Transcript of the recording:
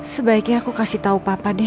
sebaiknya aku kasih tahu papa deh